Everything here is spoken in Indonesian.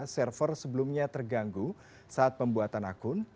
server sebelumnya terganggu saat pembuatan akun